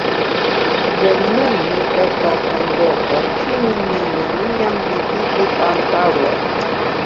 De nun, mi estas en loko, kiun mi neniam vizitis antaŭe.